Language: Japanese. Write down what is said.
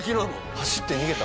走って逃げた。